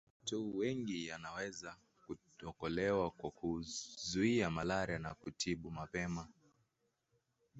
Maisha ya watu wengi yanaweza kuokolewa kwa kuzuia malaria na kuitibu mapema